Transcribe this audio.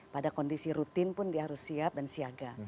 pada kondisi rutin pun dia harus siap dan siaga